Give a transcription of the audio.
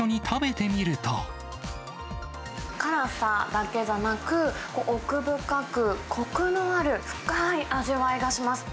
辛さだけじゃなく、奥深く、こくのある深い味わいがします。